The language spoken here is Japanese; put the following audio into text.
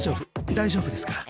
大丈夫ですから。